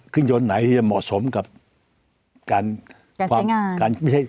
ขึ้นยนต์ไหนที่จะเหมาะสมกับการใช้งาน